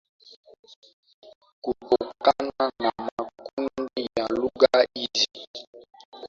kutokana na makundi ya lugha hizi